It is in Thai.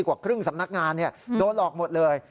กว่าครึ่งสำนักงานโดนหลอกหมดเลย